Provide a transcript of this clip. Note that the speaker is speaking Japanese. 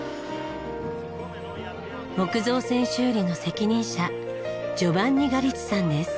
木造船修理の責任者ジョバンニ・ガリツィさんです。